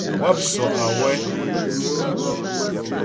Wáp sɔ' awɛ́.